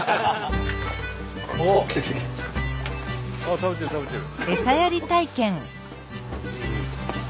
食べてる食べてる。